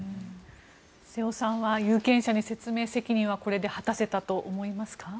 瀬尾さんは有権者に説明責任はこれで果たせたと思いますか？